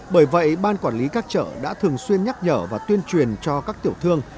bởi vậy ban quản lý các chợ đã thường xuyên nhắc nhở và tuyên truyền cho các tiểu thương